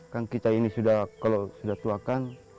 kan kita ini sudah kalau sudah tua kan